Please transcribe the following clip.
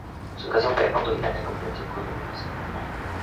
Su educación fue autodidacta en combinación con educación formal.